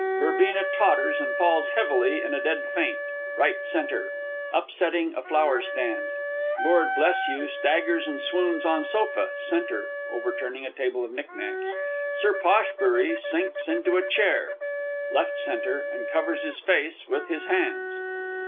[VERBENA totters, and falls heavily in a dead faint, R.C., upsetting a flower stand; LORD BLESHUGH staggers, and swoons on sofa, C., overturning a table of knicknacks; SIR POSHBURY sinks into chair, L.C., _and covers his face with his hands.